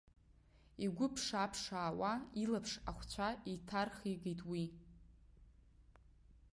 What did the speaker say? Игәы ԥшаа-ԥшаауа илаԥш ахәцәа еиҭархигеит уи.